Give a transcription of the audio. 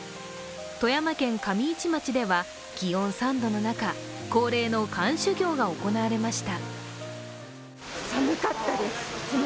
富山県上市町では、気温３度の中恒例の寒修行が行われました。